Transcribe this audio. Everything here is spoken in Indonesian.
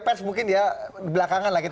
pes mungkin belakangan lah kita